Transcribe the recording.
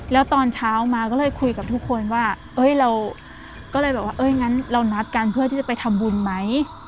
แล้วตอนเช้ามาก็เลยคุยกับทุกคนว่าเราก็เลยแบบว่าเอ้ยงั้นเรานัดกันเพื่อที่จะไปทำบุญไหม